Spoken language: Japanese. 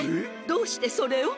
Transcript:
どうしてそれを？